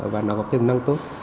và nó có tiềm năng tốt